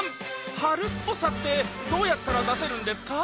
春っぽさってどうやったら出せるんですか？